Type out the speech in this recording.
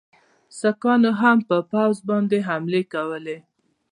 سیکهانو هم پر پوځ باندي حملې کولې.